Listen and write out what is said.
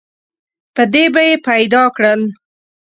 په دې به یې پیدا کړل.